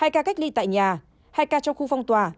hai ca cách ly tại nhà hai ca trong khu phong tỏa